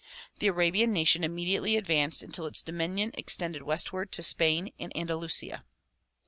The Arabian nation immediately advanced until its dominion extended westward to Spain and An dalusia.